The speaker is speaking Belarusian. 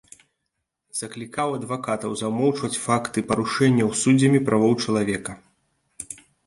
Заклікаў адвакатаў замоўчваць факты парушэнняў суддзямі правоў чалавека.